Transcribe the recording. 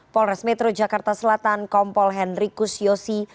polres metro jakarta selatan kompol henrikus yosi